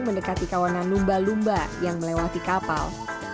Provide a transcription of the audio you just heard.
mendekati kawanan lumba lumba yang melewati kapal